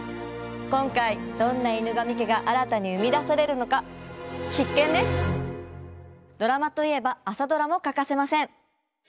今回どんな「犬神家」が新たに生み出されるのかドラマといえば「朝ドラ」も欠かせません。